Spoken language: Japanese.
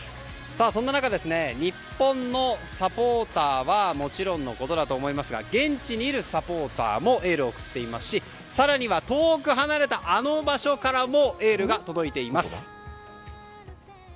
そんな中、日本のサポーターはもちろんですが現地にいるサポーターもエールを送っていますし更には遠く離れたあの場所からもエールが届いています。